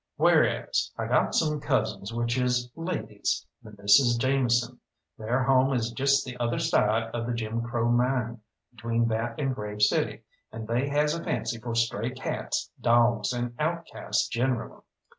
"Whereas I got some cousins which is ladies, the Misses Jameson. Their home is just the other side of the Jim Crow Mine, between that and Grave City, and they has a fancy for stray cats, dawgs, and outcasts generally.